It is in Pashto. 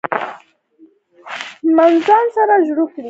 منډه د ځان سره ژوره اړیکه ده